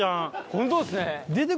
ホントですね。